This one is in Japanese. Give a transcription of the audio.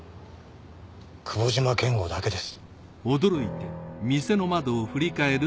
久保島健悟だけです。